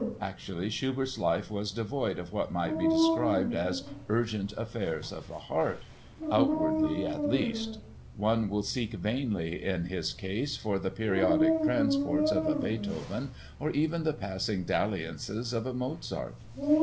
Actually, Schubert's life was devoid of what might be described as urgent affairs of the heart—outwardly, at least. One will seek vainly in his case for the periodic transports of a Beethoven or even the passing dalliances of a Mozart.